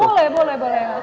boleh boleh boleh